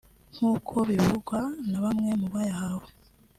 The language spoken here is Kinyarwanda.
nk’uko bivugwa na bamwe mu bayahawe